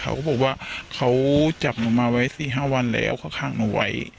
เขาก็บอกว่าเขาจับหนูมาไว้๔๕วันแล้วเขาฆ่าหนูไว้